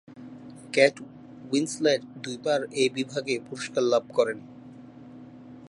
Kate Winslet দুইবার এই বিভাগে পুরস্কার লাভ করেন।